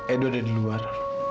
edo ada di luar